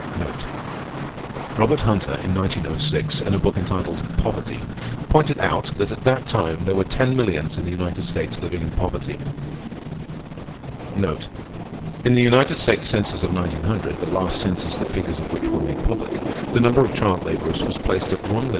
Robert Hunter, in 1906, in a book entitled "Poverty," pointed out that at that time there were ten millions in the United States living in poverty. In the United States Census of 1900 (the last census the figures of which were made public), the number of child laborers was placed at 1,752,187.